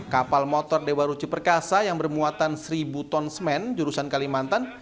kapal motor dewa ruci perkasa yang bermuatan seribu ton semen jurusan kalimantan